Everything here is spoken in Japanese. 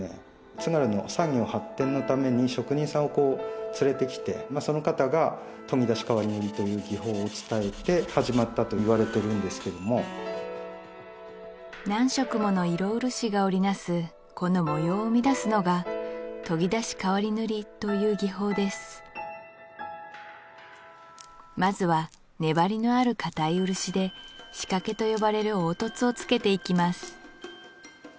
津軽の産業発展のために職人さんを連れてきてその方が研ぎ出し変わり塗りという技法を伝えて始まったといわれてるんですけども何色もの色漆が織りなすこの模様を生み出すのが研ぎ出し変わり塗りという技法ですまずは粘りのあるかたい漆で仕掛けとよばれる凹凸をつけていきます